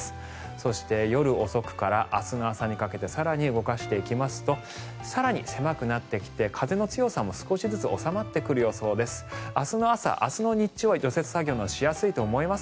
そして、夜遅くから明日の朝にかけて更に動かしていきますと更に狭くなってきて風の強さも少しずつ収まってくる予想です。